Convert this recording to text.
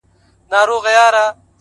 پرېږده چي وپنځوي ژوند ته د موسی معجزې!!